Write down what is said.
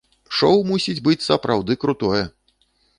Шоу мусіць быць сапраўды крутое!